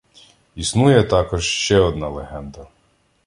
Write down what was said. Існує також ще одна легенда.